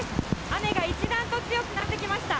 雨が一段と強くなってきました。